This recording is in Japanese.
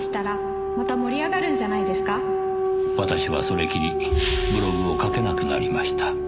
「私はそれきりブログを書けなくなりました」